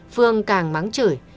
phương càng mắng chửi